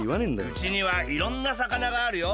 うちにはいろんなさかながあるよ。